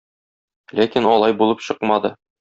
Ләкин алай булып чыкмады.